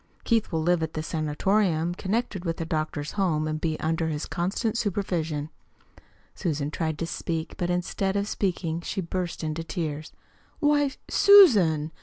Keith will live at the sanatorium connected with the doctor's home and be under his constant supervision." Susan tried to speak, but instead of speaking she burst into tears. "Why, Susan!"